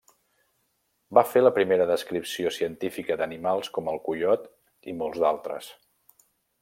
Va fer la primera descripció científica d'animals com el coiot i molts d'altres.